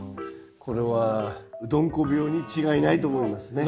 これはうどんこ病に違いないと思いますね。